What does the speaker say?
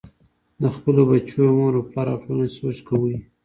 د خپلو بچو مور و پلار او ټولنې سوچ کوئ -